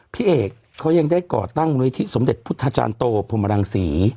พี่เอกเขายังได้ก่อตั้งมูลนิธิสมเด็จพุทธาจารย์โตพรมรังศรี